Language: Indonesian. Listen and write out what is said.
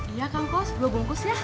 iya kang kos gue bungkus ya